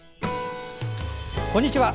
こんにちは。